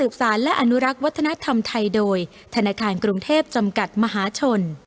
ข้าวแคบสีเขียวจากใบเตย